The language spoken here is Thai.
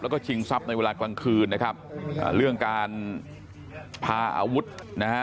แล้วก็ชิงทรัพย์ในเวลากลางคืนนะครับอ่าเรื่องการพาอาวุธนะฮะ